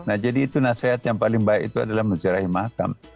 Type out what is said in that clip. nah jadi itu nasihat yang paling baik itu adalah menzirahi makam